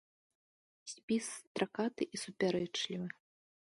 Спіс стракаты і супярэчлівы.